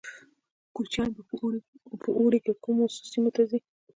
کوچیان په اوړي کې کومو سیمو ته ځي؟